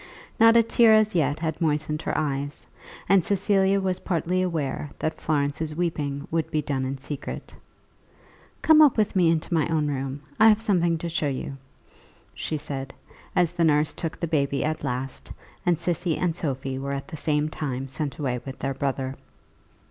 Not a tear as yet had moistened her eyes, and Cecilia was partly aware that Florence's weeping would be done in secret. "Come up with me into my own room; I have something to show you," she said, as the nurse took the baby at last; and Cissy and Sophie were at the same time sent away with their brother.